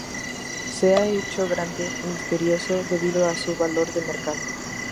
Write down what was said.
Se ha hecho grande, misterioso, debido a su valor de mercado".